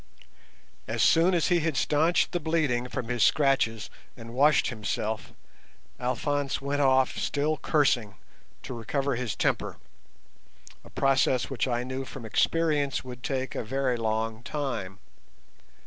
As soon as he had stanched the bleeding from his scratches and washed himself, Alphonse went off still cursing, to recover his temper, a process which I knew from experience would take a very long time.